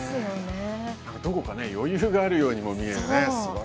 どこか余裕があるようにも見えます。